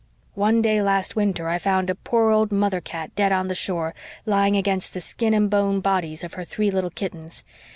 One day last winter I found a poor old mother cat dead on the shore, lying against the skin and bone bodies of her three little kittens.